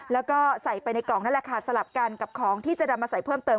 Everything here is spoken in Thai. แล้วก็ใส่ไปในกล่องนั่นแหละค่ะสลับกันกับของที่จะนำมาใส่เพิ่มเติม